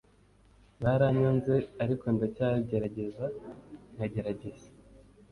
baranyanze, ariko ndacyagerageza nkagerageza.